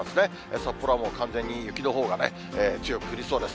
札幌はもう完全に雪のほうが強く降りそうです。